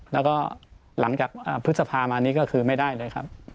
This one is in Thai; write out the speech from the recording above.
แล้วก็หลังจากพฤษภามานี้ก็คือไม่ได้เลยครับ